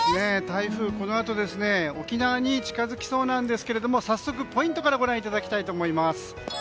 台風、このあと沖縄に近づきそうなんですけど早速ポイントからご覧いただきたいと思います。